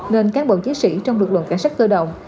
nên cán bộ chiến sĩ trong lực lượng cảnh sát cơ động